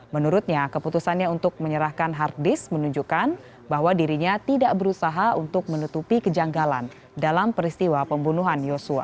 menurutnya keputusannya untuk menyerahkan hard disk menunjukkan bahwa dirinya tidak berusaha untuk menutupi kejanggalan dalam peristiwa pembunuhan yosua